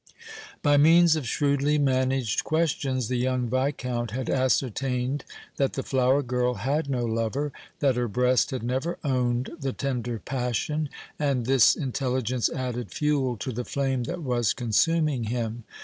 By means of shrewdly managed questions the young Viscount had ascertained that the flower girl had no lover, that her breast had never owned the tender passion, and this intelligence added fuel to the flame that was consuming him.